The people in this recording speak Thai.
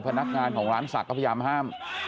พนักงานของร้านศักดิ์ก็พยายามห้าม